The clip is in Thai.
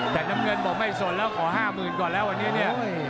แต่น้ำเงินบอกไม่สนแล้วขอห้าหมื่นก่อนแล้วอันเนี้ยเนี้ยโอ้ย